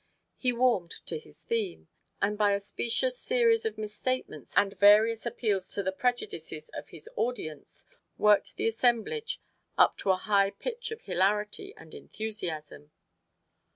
He warmed to his theme, and by a specious series of misstatements and various appeals to the prejudices of his audience worked the assemblage up to a high pitch of hilarity and enthusiasm.